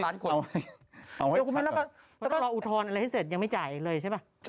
เดี๋ยวคุณแม่แล้วก็รออุทธรณ์อะไรให้เสร็จยังไม่จ่ายเลยใช่ป่ะ